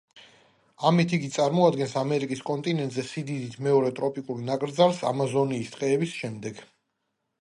ამით იგი წარმოადგენს ამერიკის კონტინენტზე სიდიდით მეორე ტროპიკულ ნაკრძალს ამაზონიის ტყეების შემდეგ.